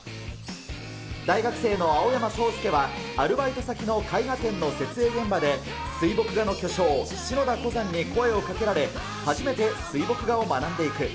大学生の青山そうすけは、アルバイト先の絵画展の設営現場で、水墨画の巨匠、しのだこざんに声を掛けられ、初めて水墨画を学んでいく。